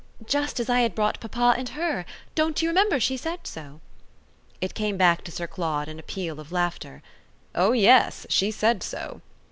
"Just as I had brought papa and her. Don't you remember she said so?" It came back to Sir Claude in a peal of laughter. "Oh yes she said so!"